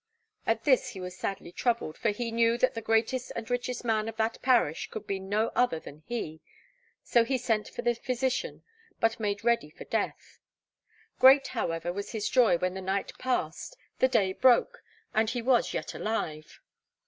At this he was sadly troubled, for he knew that the greatest and richest man of that parish could be no other than he; so he sent for the physician, but made ready for death. Great, however, was his joy when the night passed, the day broke, and he was yet alive.